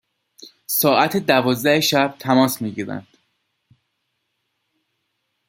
ساعت دوازده شب تماس می گیرند،